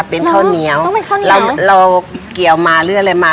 เป็นข้าวเหนียวต้องเป็นข้าวเหนียวเราเราเกี่ยวมาเรื่อยอะไรมา